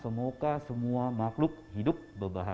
semoga semua makhluk hidup berbahagia dan berbahagia